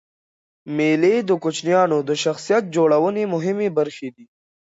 مېلې د کوچنيانو د شخصیت جوړنوني مهمي برخي دي.